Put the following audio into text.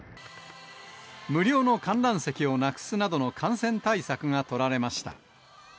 無料の観覧席をなくすなどの感染対策が取られました。